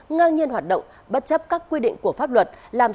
ngang nhiên hoạt động bất chấp các quy định của pháp luật